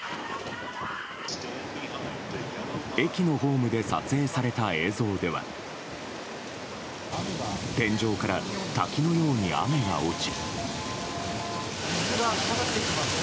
駅のホームで撮影された映像では天井から滝のように雨が落ち。